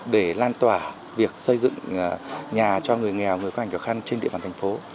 để lan tỏa việc xây dựng nhà cho người nghèo người có ảnh khó khăn trên địa bàn thành phố